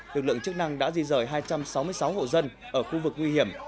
lực lượng chức năng đã di rời hai trăm sáu mươi sáu hộ dân ở khu vực nguy hiểm